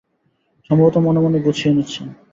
সম্ভবত মনে মনে গুছিয়ে নিচ্ছেন।